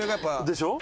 「でしょ？」